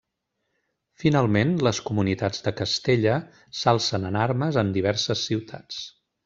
Finalment, les Comunitats de Castella s'alcen en armes en diverses ciutats.